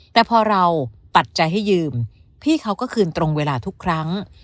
แต่พอเราปัจจัยให้ยืมพี่เขาก็คืนตรงเวลาทุกครั้ง